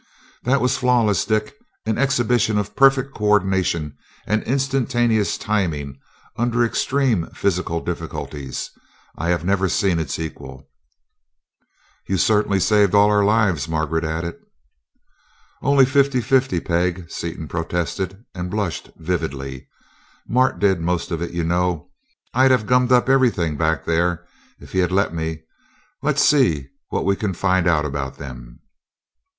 "That was flawless, Dick. As an exhibition of perfect co ordination and instantaneous timing under extreme physical difficulties, I have never seen its equal." "You certainly saved all our lives," Margaret added. "Only fifty fifty, Peg," Seaton protested, and blushed vividly. "Mart did most of it, you know. I'd have gummed up everything back there if he had let me. Let's see what we can find out about them."